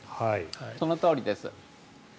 そのとおりです。